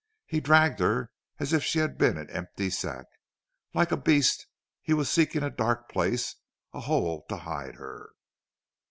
He dragged her as if she had been an empty sack. Like a beast he was seeking a dark place a hole to hide her.